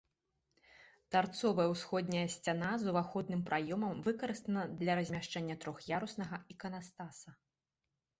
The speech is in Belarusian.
Тарцовая ўсходняя сцяна з уваходным праёмам выкарыстана для размяшчэння трох'яруснага іканастаса.